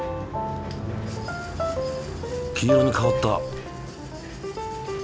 黄色に変わった。